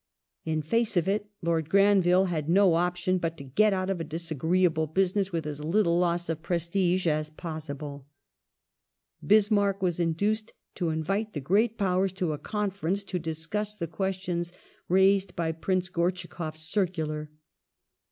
In face of it, Lord Granville had no option but to get out of a disagreeable business with as little loss of prestige as possible. Bismarck was induced to invite the Great Powers to a conference to discuss the questions raised by Prince GortschakofTs circular.